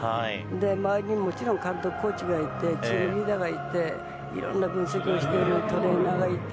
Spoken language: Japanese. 周りにも監督やコーチがいてチームリーダーがいていろんな分析をしているトレーナーがいて。